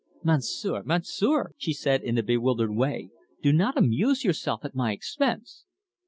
"Monsieur, Monsieur," she said in a bewildered way, "do not amuse yourself at my expense."